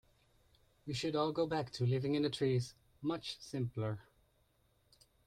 We should all go back to living in the trees, much simpler.